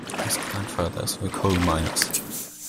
His grandfathers were coal miners.